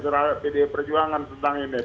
tidak ada perjuangan tentang ini